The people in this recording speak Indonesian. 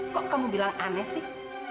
kok kamu bilang aneh sih